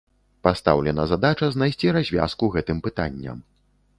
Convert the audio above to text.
Пастаўлена задача знайсці развязку гэтым пытанням.